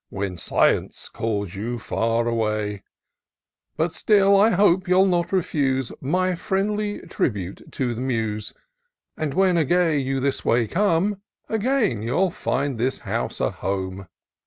When Science calls you far away : But still I hope you'll not refuse My friendly tribute to the Muse ;. And, when again you this way come, Again you'll find this house a home. IN SEARCH OF THE PICTURESQUE.